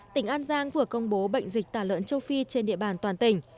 tỉnh an giang vừa công bố bệnh dịch tả lợn châu phi trên địa bàn toàn tỉnh